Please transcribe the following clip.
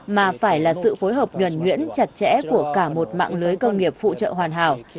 mà phải là sự phối hợp nhuẩn nhuyễn chặt chẽ của cả một mạng lưới công nghiệp phụ trợ hoàn hảo